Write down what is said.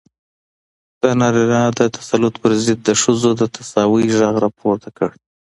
د نارينه د تسلط پر ضد د ښځو د تساوۍ غږ راپورته کړ.